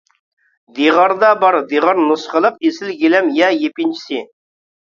دىغاردا بار دىغار نۇسخىلىق، ئېسىل گىلەم يە يېپىنچىسى.